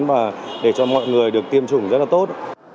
và để cho mọi người được tiêm chủng rất là tốt